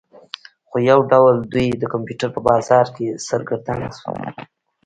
خو یو ډول دوی د کمپیوټر په بازار کې سرګردانه شول